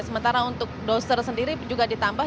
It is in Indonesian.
sementara untuk doster sendiri juga ditambah